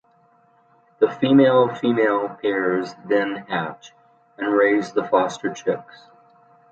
The female-female pairs then hatch and raise the foster-chicks.